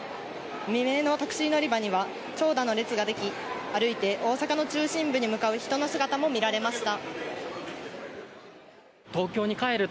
未明のタクシー乗り場には長蛇の列ができ、歩いて大阪の中心部に向かう人の姿も見られました。